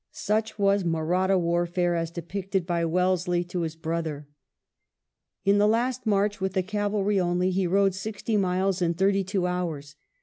Such was Mahratta warfare as depicted by Wellesley to his brother. In the last march, with the cavalry only, he rode sixty miles in thirty two hours.